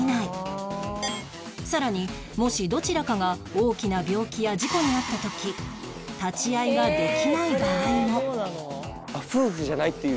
さらにもしどちらかが大きな病気や事故に遭った時立ち会いができない場合も